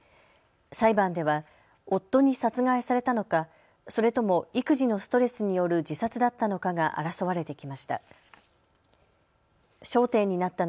裁判では夫に殺害されたのかそれとも育児のストレスによる自殺だったのかが争われてきました。